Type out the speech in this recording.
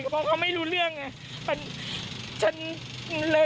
เพราะเขาไม่รู้เรื่องไง